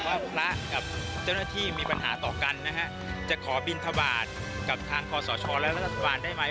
ว่าพระกับเจ้าหน้าที่มีปัญหาต่อกันนะฮะจะขอบินทบาทกับทางคอสชและรัฐบาลได้ไหม